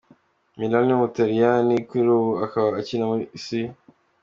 Milan yo mu Butaliyani kuri ubu akaba akina muri C.